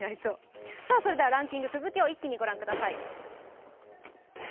それではランキング続きを一気にご覧ください。